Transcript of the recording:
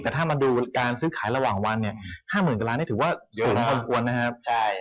ถ้ามาดูการซื้อขายระหว่างวันเนี่ย๕หมื่นกว่าล้านเนี่ยถือว่าสูงควรควรนะครับ